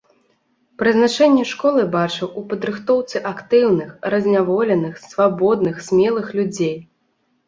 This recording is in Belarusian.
Прызначэнне школы бачыў у падрыхтоўцы актыўных, разняволеных, свабодных, смелых людзей.